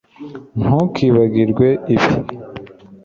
ntukibagirwe ibi